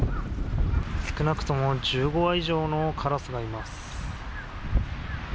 少なくとも１５羽以上のカラスがいます。